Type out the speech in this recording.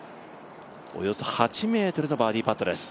およそ８ｍのバーディーパットです。